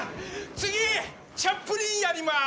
次チャップリンやります！